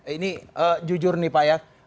ini jujur nih pak ya